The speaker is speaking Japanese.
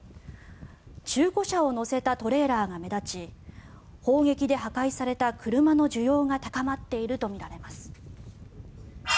中古車を載せたトレーラーが目立ち砲撃で破壊された車の需要が高まっているとみられます。